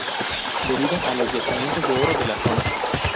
Debido a los yacimientos de oro de la zona.